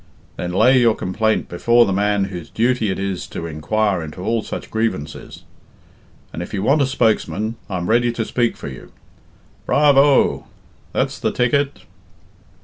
Then lay your complaint before the man whose duty it is to inquire into all such grievances; and if you want a spokesman, I'm ready to speak for you." "Bravo!" "That's the ticket!"